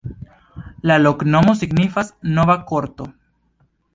La loknomo signifas: nova-korto.